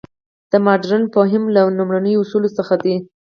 د مډرن فهم له لومړنیو اصولو څخه دی.